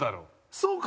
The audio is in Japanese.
そうか。